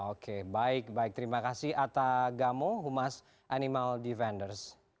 oke baik baik terima kasih atta gamo humas animal defenders